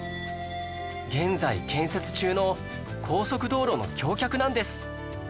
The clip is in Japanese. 現在建設中の高速道路の橋脚なんです